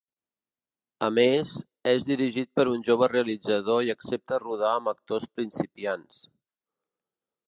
A més, és dirigit per un jove realitzador i accepta rodar amb actors principiants.